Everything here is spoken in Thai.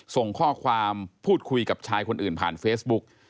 ส่งข้อความพูดคุยกับชายคนอื่นผ่านเฟซบุ๊ก